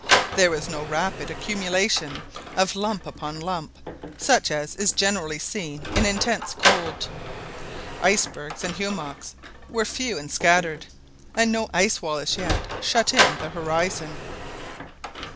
There was no rapid accumulation of lump upon lump such as is generally seen in intense cold. Icebergs and hummocks were few and scattered, and no ice wall as yet shut in the horizon.